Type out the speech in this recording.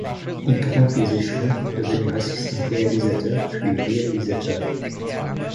Il grimpe les échelons pour devenir assistant réalisateur puis réalisateur.